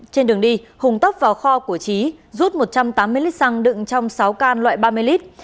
trên đường đi hùng tóc vào kho của trí rút một trăm tám mươi lít xăng đựng trong sáu can loại ba mươi lít